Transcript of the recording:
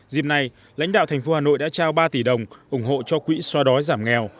dịp này lãnh đạo thành phố hà nội đã trao ba tỷ đồng ủng hộ cho quỹ xoa đói giảm nghèo